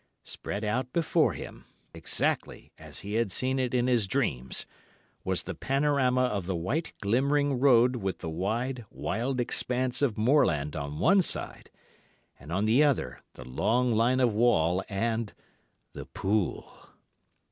Spread out before him, exactly as he had seen it in his dreams, was the panorama of the white glimmering road with the wide, wild expanse of moorland on one side, and on the other the long line of wall, and—the pool.